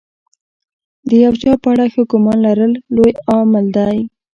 د یو چا په اړه ښه ګمان لرل لوی عمل دی.